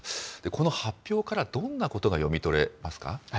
この発表からどんなことが読み取れますか。